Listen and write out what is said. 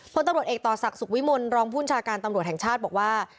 พลตำรวจเอกต่อศักดิ์สุขวิมลรองผู้บัญชาการตำรวจแห่งชาติบอกว่า